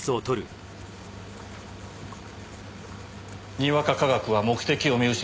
にわか科学は目的を見失う。